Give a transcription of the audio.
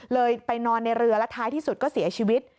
ไปนอนในเรือและท้ายที่สุดก็เสียชีวิต